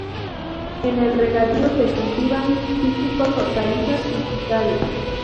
En el regadío se cultivan cítricos, hortalizas y frutales.